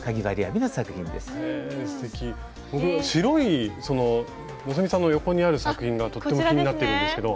僕白いその希さんの横にある作品がとっても気になってるんですけど。